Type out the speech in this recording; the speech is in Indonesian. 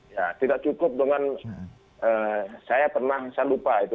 ya tidak cukup dengan saya pernah saya lupa itu